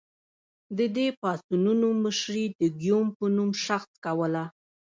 د دې پاڅونونو مشري د ګیوم په نوم شخص کوله.